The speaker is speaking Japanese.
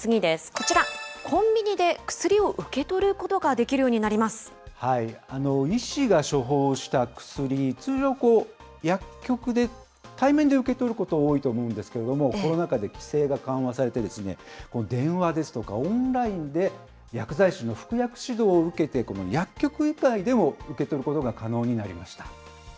こちら、コンビニで薬を受け取る医師が処方した薬、通常、薬局で対面で受け取ること、多いと思うんですけれども、コロナ禍で規制が緩和されて、電話ですとかオンラインで薬剤師の服薬指導を受けて、この薬局以外でも受け取ることが可能になりました。